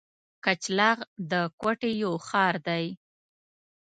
کچلاغ د کوټي یو ښار دی.